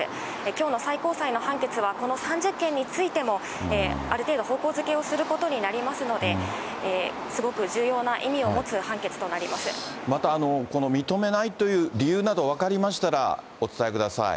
きょうの最高裁の判決はこの３０件についても、ある程度、方向づけをすることになりますので、すごく重要な意味を持つ判決また、この認めないという理由など分かりましたら、お伝えください。